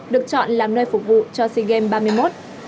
được chọn làm nơi phục vụ cho sea games ba mươi một